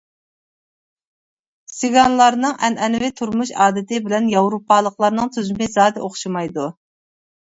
سىگانلارنىڭ ئەنئەنىۋى تۇرمۇش ئادىتى بىلەن ياۋروپالىقلارنىڭ تۈزۈمى زادى ئوخشىمايدۇ.